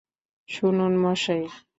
শুনুন, মশাই।